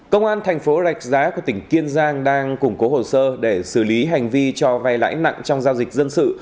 công an tp rex giá của tỉnh kiên giang đang củng cố hồ sơ để xử lý hành vi cho vay lãi nặng trong giao dịch dân sự